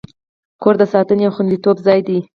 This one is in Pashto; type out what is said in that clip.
کور د ساتنې او خوندیتوب ځای دی.